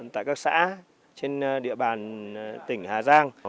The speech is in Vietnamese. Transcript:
tại các xã trên địa bàn tỉnh hà giang